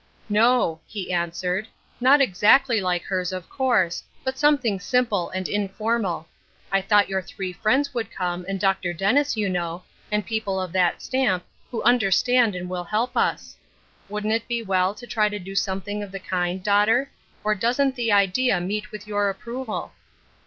" No," he answered, " not exactly like hers, of course, but something simple and informal. I thought your three friends would come, and Dr. Dennis, you know, and people of that stamp, who understand and will help us. Wouldn't it be well to try to do something of the kind, daughter, or doesn't the idea meet with your ap proval